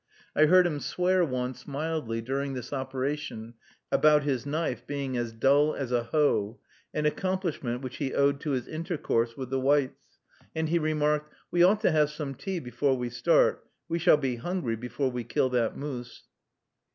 I heard him swear once, mildly, during this operation, about his knife being as dull as a hoe, an accomplishment which he owed to his intercourse with the whites; and he remarked, "We ought to have some tea before we start; we shall be hungry before we kill that moose."